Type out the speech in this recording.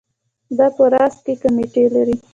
دا په راس کې کمیټې لري.